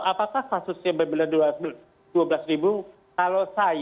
apakah kasusnya benar benar dua belas ribu